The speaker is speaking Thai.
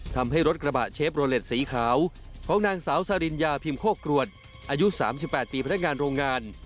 ทำให้รถกระบะเชฟโรเล็ตสีขาวของนางสาวซาริญญาพิมโคกรวดอายุ๓๘ปีพนักงานโรงงาน